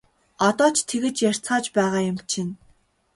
Одоо ч тэгж ярьцгааж байгаа юм чинь!